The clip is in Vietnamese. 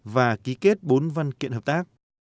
và ký kết bốn văn kiện hợp tác